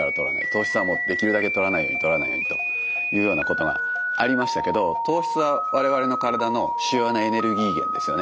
糖質はもうできるだけとらないようにとらないようにというようなことがありましたけど糖質は我々の体の主要なエネルギー源ですよね。